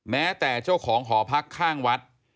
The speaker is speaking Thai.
แม้แต่เจ้าของหอพักข้างวัด